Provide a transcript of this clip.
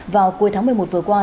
vào cuối tháng một mươi một vừa qua